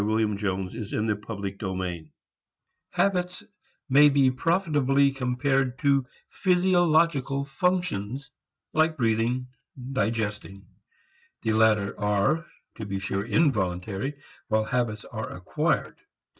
PART ONE THE PLACE OF HABIT IN CONDUCT I Habits may be profitably compared to physiological functions, like breathing, digesting. The latter are, to be sure, involuntary, while habits are acquired.